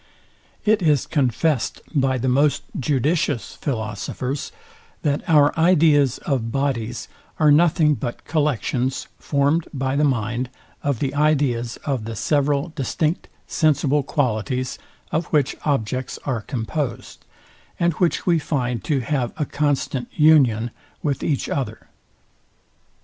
It is confest by the most judicious philosophers, that our ideas of bodies are nothing but collections formed by the mind of the ideas of the several distinct sensible qualities, of which objects are composed, and which we find to have a constant union with each other.